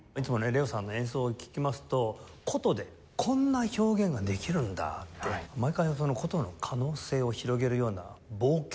ＬＥＯさんの演奏を聴きますと箏でこんな表現ができるんだって毎回箏の可能性を広げるような冒険をされてますよね。